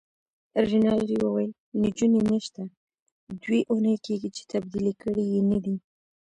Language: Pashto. رینالډي وویل: نجونې نشته، دوې اونۍ کیږي چي تبدیلي کړي يې نه دي.